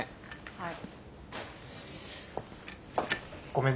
はい。